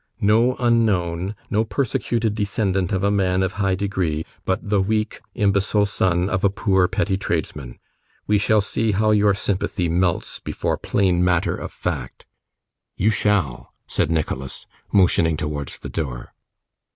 No unknown; no persecuted descendant of a man of high degree; but the weak, imbecile son of a poor, petty tradesman. We shall see how your sympathy melts before plain matter of fact.' 'You shall,' said Nicholas, motioning towards the door.